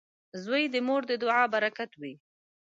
• زوی د مور د دعا برکت وي.